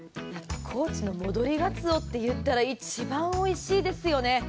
高知の戻り鰹っていったら、１番おいしいですよね。